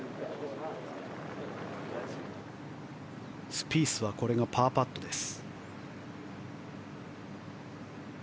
スピースはこれがパーパットです。